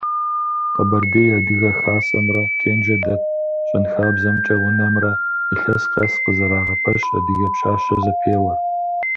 Къэбэрдей адыгэ хасэмрэ Кенжэ дэт щэнхабзэмкӏэ унэмрэ илъэс къэс къызэрагъэпэщ «Адыгэ пщащэ» зэпеуэр.